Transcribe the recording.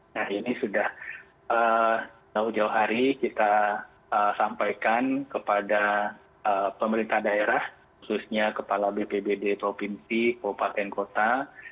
nah ini sudah jauh jauh hari kita sampaikan kepada pemerintah daerah khususnya kepala bpbd provinsi kabupaten kota